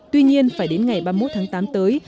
tuy nhiên phải đến ngày ba mươi một tháng tám tới